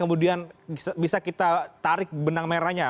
kemudian bisa kita tarik benang merahnya